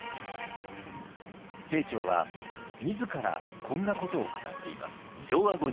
清張は自らこんなことを語っています。